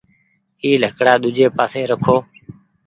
اي لڪڙآ ۮوجي پآسي رکو